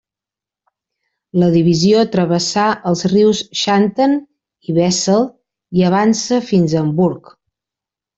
La divisió travessà els rius Xanten i Wesel i avança fins a Hamburg.